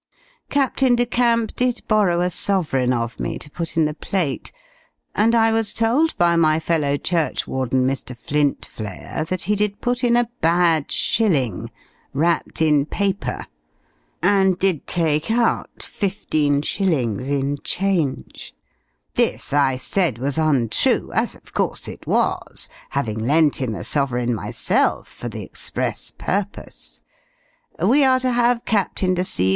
Captain de Camp did borrow a sovereign of me, to put in the plate; and I was told by my fellow churchwarden, Mr. Flyntflayer, that he did put in a bad shilling, wrapt in paper, and did take out fifteen shillings in change: this, I said was untrue as, of course, it was; having lent him a sovereign myself, for the express purpose. We are to have Captain de C.'